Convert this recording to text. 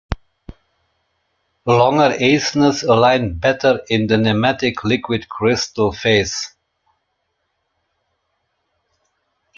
Longer acenes align better in the nematic liquid crystal phase.